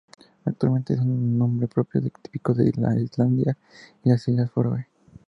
Actualmente es un nombre propio típico de Islandia y las Islas Feroe.